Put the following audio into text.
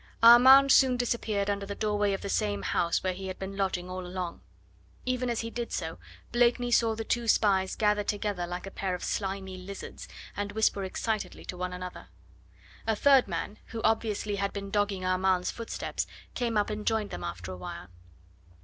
Armand soon disappeared under the doorway of the same house where he had been lodging all along. Even as he did so Blakeney saw the two spies gather together like a pair of slimy lizards, and whisper excitedly one to another. A third man, who obviously had been dogging Armand's footsteps, came up and joined them after a while.